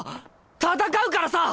戦うからさ！